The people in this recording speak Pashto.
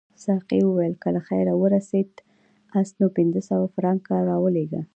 ساقي وویل که له خیره ورسیداست نو پنځه سوه فرانکه راولېږه.